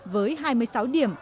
với hai mươi sáu điểm